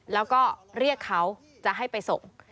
แล้วก็เรียกเขาจะให้ไปส่ง